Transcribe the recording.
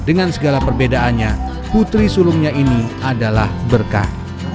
dengan segala perbedaannya putri sulungnya ini adalah berkah